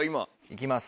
いきます。